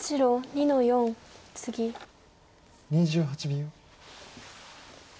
２８秒。